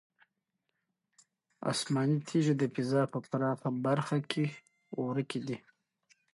آسماني تیږې د فضا په پراخه برخه کې ورکې دي.